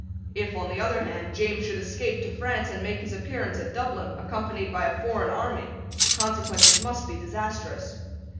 If, on the other hand, James should escape to France and make his appearance at Dublin, accompanied by a foreign army, the consequences must be disastrous.